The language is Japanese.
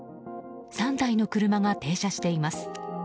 ３台の車が停車しています。